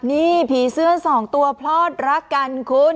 นี่ผีเสื้อ๒ตัวเพราะรักกันคุณ